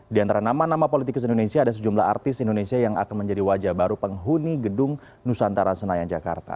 di antara nama nama politikus indonesia ada sejumlah artis indonesia yang akan menjadi wajah baru penghuni gedung nusantara senayan jakarta